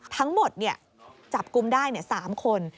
ทั้งหมดจับกลุ่มได้๓คน